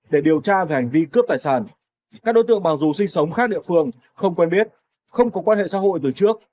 để điều tra về hành vi cướp tài sản các đối tượng mặc dù sinh sống khác địa phương không quen biết không có quan hệ xã hội từ trước